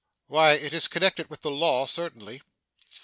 'Why, it is connected with the law, certainly.